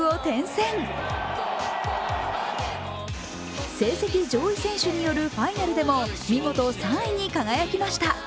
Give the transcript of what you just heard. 成績上位選手によるファイナルでも見事３位に輝きました。